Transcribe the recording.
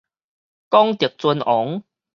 廣澤尊王